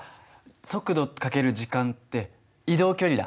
速度×時間って移動距離だ。